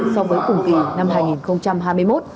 so với cùng kỳ năm hai nghìn hai mươi một